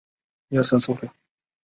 亨特原是吸烟者。